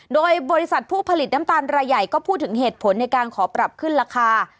โดยบริษัทผู้ผลิตน้ำตาลรายใหญ่ก็พูดถึงเหตุผลในการขอปรับขึ้นราคา